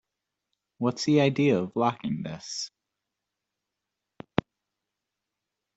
What's the idea of locking this?